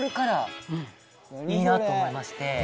いいなと思いまして。